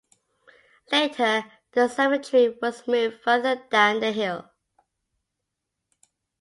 Later the cemetery was moved further down the hill.